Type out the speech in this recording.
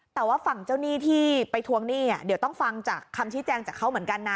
แต่ว่าฝั่งเจ้าหนี้ที่ไปทวงหนี้เดี๋ยวต้องฟังจากคำชี้แจงจากเขาเหมือนกันนะ